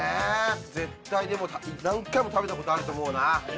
絶対でも何回も食べたことあると思うな。